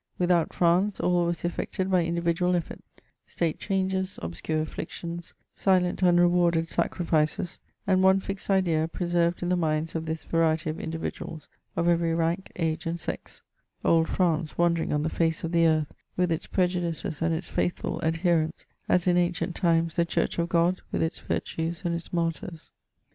Without France, all was effected by indi CHATEAUBRIAND. 387 vidual effort ; state changes, obscure afflictions, silent, unre warded sacrifices ; and one fixed idea preserved in the minds of this variety of individuals of every rank, age, and sex ; old France wandering on the fisuse of the earth with its prejudices and its faithful adherents, as in ancient times the Church of God with its virtues and its martyrs.